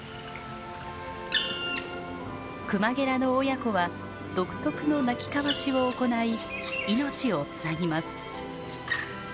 クマゲラの親子は独特の鳴き交わしを行い命をつなぎます。